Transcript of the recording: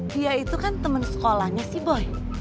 dia itu kan temen sekolahnya si boy